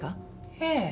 ええ。